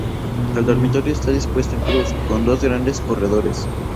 El dormitorio está dispuesto en cruz, con dos grandes corredores.